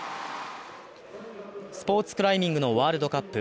スポーツクライミングのワールドカップ。